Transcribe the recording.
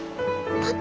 パパ。